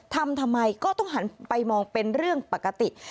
ทำไมก็ต้องหันไปมองเป็นเรื่องปกติ